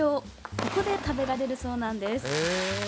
ここで食べられるそうなんです。